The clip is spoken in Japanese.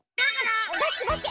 バスケバスケ！